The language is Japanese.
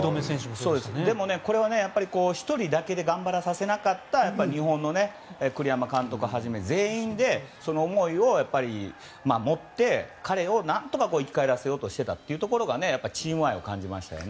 でもこれは１人だけで頑張らさせなかった日本の栗山監督をはじめ全員でその思いを持って彼を何とか生き返らせようとしていたところがチーム愛を感じましたね。